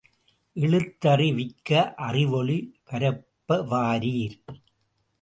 எழுத்தறிவிக்க அறிவொளி பரப்ப வாரீர்!